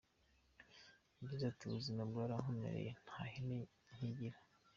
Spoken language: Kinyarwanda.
Yagize ati "Ubuzima bwarankomereye, nta hene nkigira.